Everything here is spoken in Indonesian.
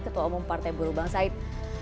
ketua umum partai buruh bang said